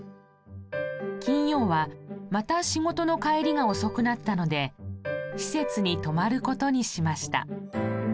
金曜はまた仕事の帰りが遅くなったので施設に泊まる事にしました。